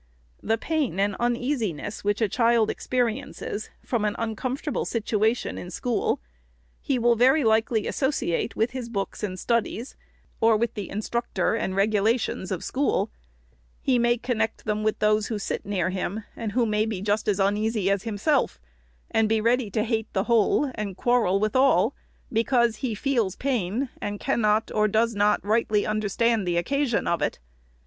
The pain and uneasiness which a child experi ences from an uncomfortable situation in school, he will very likely associate with his books and studies, or with the instructor and regulations of school ; he may connect them with those who sit near him, and who may be just as uneasy as himself, and be ready to hate the whole and quarrel with all, because he feels pain, and cannot, or does not, rightly understand the occasion of it.